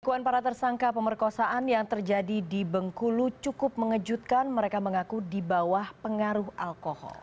kekuan para tersangka pemerkosaan yang terjadi di bengkulu cukup mengejutkan mereka mengaku di bawah pengaruh alkohol